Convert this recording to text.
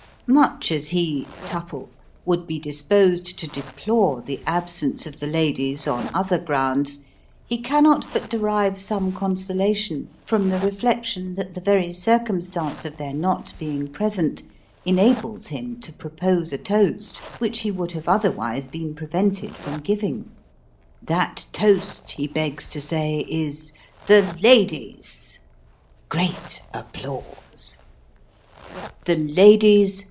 Much as he (Tupple) would ba disposed to deplore the absence of the ladies, on other grounds, he cannot but derive some consolation from the reflec tion that the very circumstance of their not being present, enables him to propose a toast, which he would have otherwise been prevented from giving that toast he begs to say is " The Ladies !" (Great applause.) The Ladies